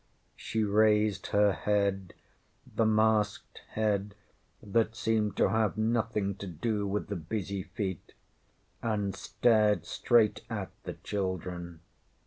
ŌĆÖ She raised her head the masked head that seemed to have nothing to do with the busy feet and stared straight at the children.